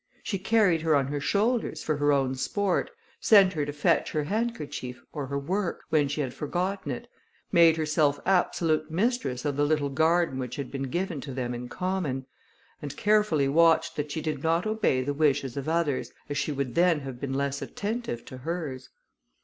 She carried her on her shoulders for her own sport, sent her to fetch her handkerchief, or her work, when she had forgotten it, made herself absolute mistress of the little garden which had been given to them in common, and carefully watched that she did not obey the wishes of others, as she would then have been less attentive to hers.